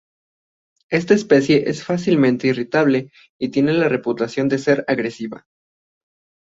Esta especie es fácilmente irritable y tiene la reputación de ser agresiva.